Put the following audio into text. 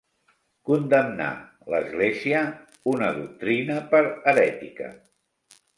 Condemnar, l'Església, una doctrina per herètica.